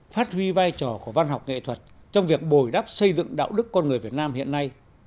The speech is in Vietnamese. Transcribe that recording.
phát huy vai trò của văn học nghệ thuật trong việc bồi đắp xây dựng đạo đức con người việt nam hiện nay